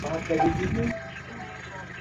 কিন্তু আমার ভায়া চটছে।